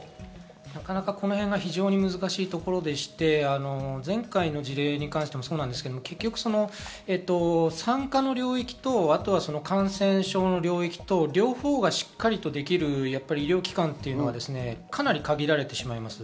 このへんが非常に難しいところでして、前回の事例に関してもそうですが、産科の領域と感染症の領域と両方がしっかりできる医療機関というのが、かなり限られてしまいます。